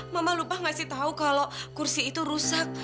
mama lupa ngasih tahu kalau kursi itu rusak